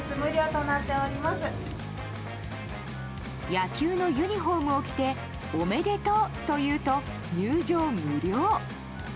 野球のユニホームを着ておめでとうと言うと入場無料。